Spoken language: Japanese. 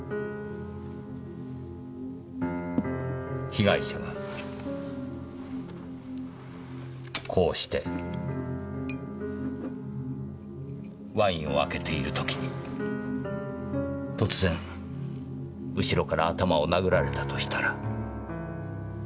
被害者がこうしてワインを開けている時に突然後ろから頭を殴られたとしたら。